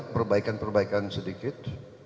perbaikan perbaikan sedikit